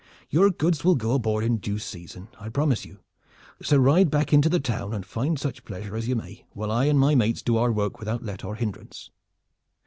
Your goods will go aboard in due season, I promise you; so ride back into the town and find such pleasure as you may, while I and my mates do our work without let or hindrance."